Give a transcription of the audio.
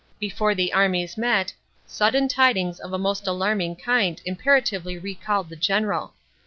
Before the armies met, sudden tidings of a most alarming kind imperatively recalled the general.